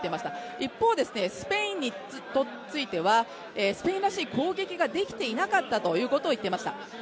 一方、スペインについてはスペインらしい攻撃ができていなかったということを言っていました。